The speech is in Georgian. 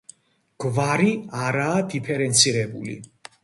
გვარი არაა დიფერენცირებული.